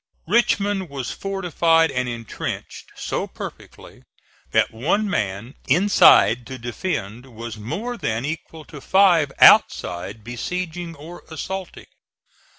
Richmond was fortified and intrenched so perfectly that one man inside to defend was more than equal to five outside besieging or assaulting.